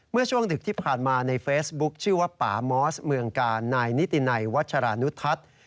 เมื่อช่วงดึกที่ผ่านมาในเฟซบุ๊คชื่อว่าป่ามอสเมืองกาลนายนิตินัยวัชรานุทัศน์